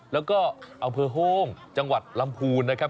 แล้วก็อำเภอโห้งจังหวัดลำพูนนะครับ